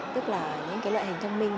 tức là những loại hình thông minh